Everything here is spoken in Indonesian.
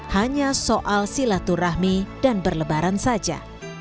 hanya soal silaturahmi dan berlebaran saja